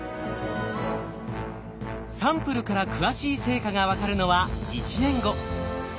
サンプルから詳しい成果が分かるのは１年後。